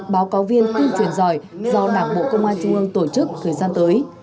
báo cáo viên tuyên truyền giỏi do đảng bộ công an trung ương tổ chức thời gian tới